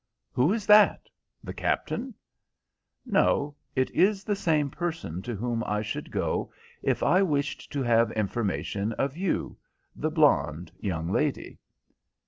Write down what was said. "Who is that? The captain?" "No. It is the same person to whom I should go if I wished to have information of you—the blonde young lady."